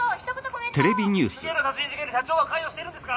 「２件の殺人事件に社長は関与しているんですか？」